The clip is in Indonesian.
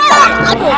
ngapaaspel ini ya